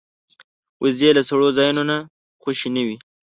وزې له سړو ځایونو نه خوشې نه وي